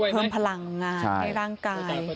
เพิ่มพลังงานให้ร่างกาย